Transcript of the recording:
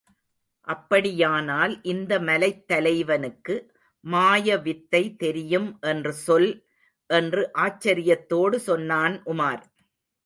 அப்படியானால், இந்த மலைத் தலைவனுக்கு மாயவித்தை தெரியும் என்று சொல் என்று ஆச்சரியத்தோடு சொன்னான் உமார்.